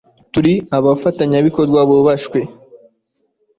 Turi abafatanya bikorwa bubashwe